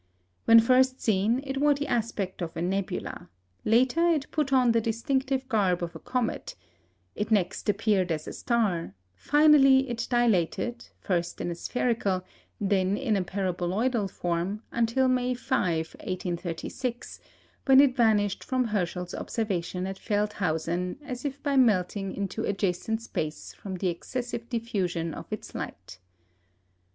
When first seen, it wore the aspect of a nebula; later it put on the distinctive garb of a comet; it next appeared as a star; finally, it dilated, first in a spherical, then in a paraboloidal form, until May 5, 1836, when it vanished from Herschel's observation at Feldhausen as if by melting into adjacent space from the excessive diffusion of its light.